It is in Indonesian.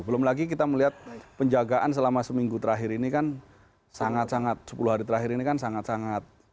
belum lagi kita melihat penjagaan selama seminggu terakhir ini kan sangat sangat sepuluh hari terakhir ini kan sangat sangat